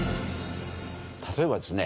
例えばですね。